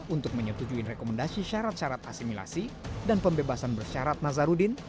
untuk menyetujui rekomendasi syarat syarat asimilasi dan pembebasan bersyarat nazarudin